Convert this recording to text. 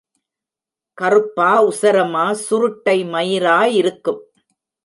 கறுப்பா உசரமா சுருட்டை மயிரா இருக்கு.